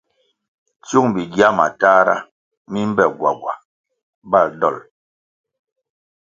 Tsyung bigya matahra mi mbe gwagwa bal dol.